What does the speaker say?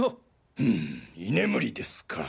ふむ居眠りですか。